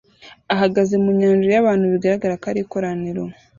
ahagaze mu nyanja yabantu bigaragara ko ari ikoraniro